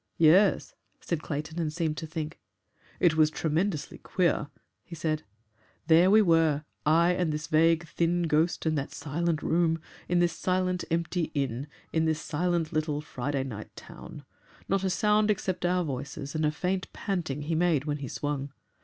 "Yes," said Clayton, and seemed to think. "It was tremendously queer," he said. "There we were, I and this thin vague ghost, in that silent room, in this silent, empty inn, in this silent little Friday night town. Not a sound except our voices and a faint panting he made when he swung.